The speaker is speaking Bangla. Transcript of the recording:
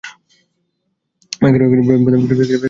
প্রত্যেক বস্তুর যথাযথ স্থান নির্ণয় করাই প্রকৃত রহস্য।